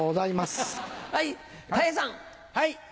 はい。